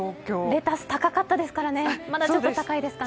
レタス高かったですからね、まだちょっと高いですかね。